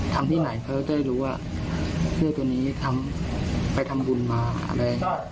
ที่ไหนเขาจะได้รู้ว่าเสื้อตัวนี้ไปทำบุญมาอะไร